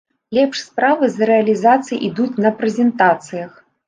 Лепш справы з рэалізацыяй ідуць на прэзентацыях.